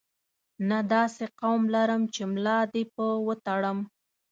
نه داسې قوم لرم چې ملا دې په وتړم.